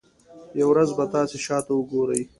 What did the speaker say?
یوه ورځ به تاسو شاته وګورئ.